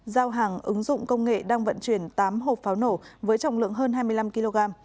giao hàng ứng dụng công nghệ đang vận chuyển tám hộp pháo nổ với trọng lượng hơn hai mươi năm kg